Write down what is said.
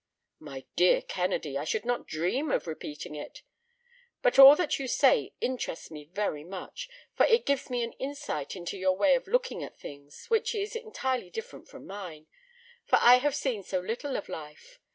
"My dear Kennedy, I should not dream of repeating it. But all that you say interests me very much, for it gives me an insight into your way of looking at things, which is entirely different from mine, for I have seen so little of life.